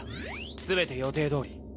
全て予定どおり。